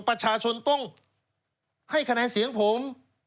ประชาชนต้องให้คะแนนเสียงผม